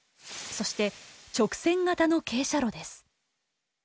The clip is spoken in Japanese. そして直線型の傾斜路です。